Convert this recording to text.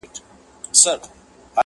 توري سترګي غړوې چي چي خوني نه سي,